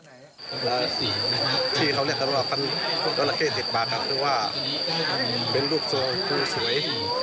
ที่เขาเรียกหนักว่าฟันด้านติดบากานครับคือว่าเป็นลูกเขาภูนิสวย